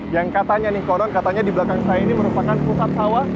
yang katanya nih koron katanya di belakang saya ini merupakan pusat sawah